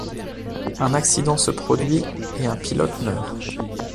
Un accident se produit et un pilote meurt.